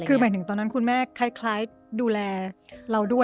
คือหมายถึงตอนนั้นคุณแม่คล้ายดูแลเราด้วย